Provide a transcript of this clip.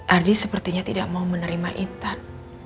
ardi sepertinya tidak mau menerima intan